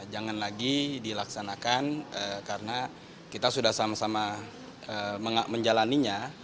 jangan lagi dilaksanakan karena kita sudah sama sama menjalannya